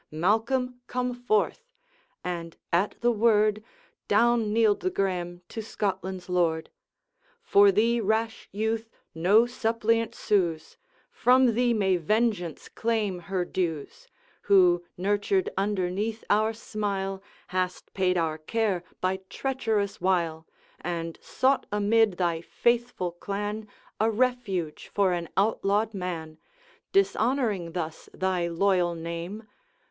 Malcolm, come forth!' and, at the word, Down kneeled the Graeme to Scotland's Lord. 'For thee, rash youth, no suppliant sues, From thee may Vengeance claim her dues, Who, nurtured underneath our smile, Hast paid our care by treacherous wile, And sought amid thy faithful clan A refuge for an outlawed man, Dishonoring thus thy loyal name.